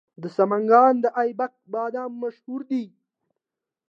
د سمنګان د ایبک بادام مشهور دي.